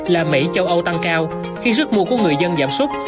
là mỹ châu âu tăng cao khi sức mua của người dân giảm sút